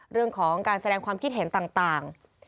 เรื่องของการแสดงความคิดเห็นต่าง